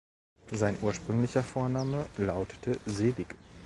Sein ursprünglicher Vorname lautete Selig.